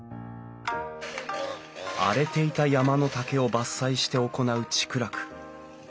荒れていた山の竹を伐採して行う竹楽。